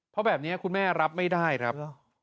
เพราะแบบนี้คุณแม่รับไม่ได้ครับ